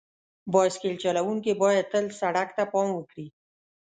بایسکل چلونکي باید تل سړک ته پام وکړي.